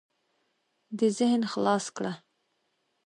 دې ذهن خلاص کړه.